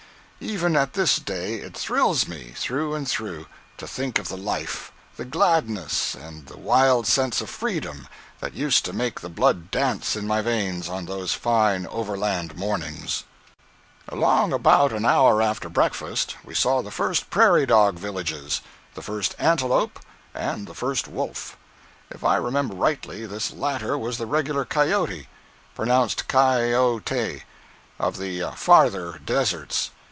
Even at this day it thrills me through and through to think of the life, the gladness and the wild sense of freedom that used to make the blood dance in my veins on those fine overland mornings! 049.jpg (43K) 050.jpg (51K) Along about an hour after breakfast we saw the first prairie dog villages, the first antelope, and the first wolf. If I remember rightly, this latter was the regular cayote (pronounced ky o te) of the farther deserts.